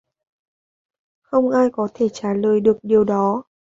Không ai có thể trả lời được điều đó